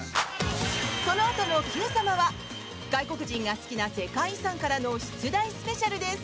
そのあとの「Ｑさま！！」は外国人が好きな世界遺産からの出題スペシャルです。